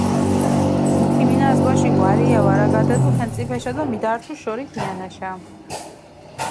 მუ ქიმინას ბოშიქ, ვარია ვარაგადედუ ხენწიფეშა დო მიდართუ შორი ქიანაშა.